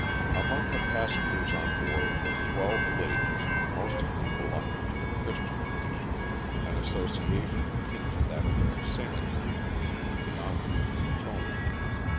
Among the passengers on board were twelve ladies, most of them belonging to the Christian commission, an association akin to that of the sanitary commission of the Army of the Potomac.